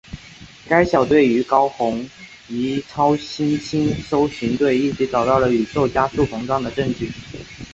该小队与高红移超新星搜寻队一起找到了宇宙加速膨胀的证据。